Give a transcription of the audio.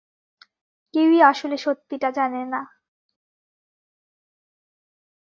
কেউই আসলে সত্যিটা জানে না।